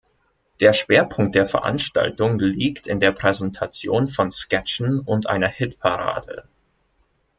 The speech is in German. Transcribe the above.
Der Schwerpunkt der Veranstaltung liegt in der Präsentation von Sketchen und einer Hitparade.